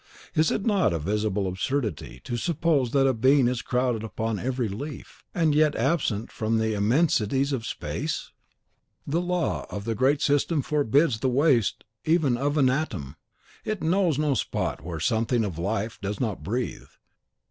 Is it not a visible absurdity to suppose that being is crowded upon every leaf, and yet absent from the immensities of space? The law of the Great System forbids the waste even of an atom; it knows no spot where something of life does not breathe.